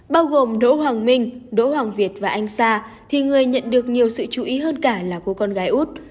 bao gồm đỗ hoàng minh đỗ hoàng việt và anh sa thì người nhận được nhiều sự chú ý hơn cả là cô con gái út